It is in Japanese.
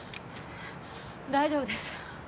大丈夫です。